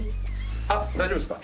あっ大丈夫ですか？